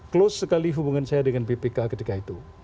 close sekali hubungan saya dengan bpk ketika itu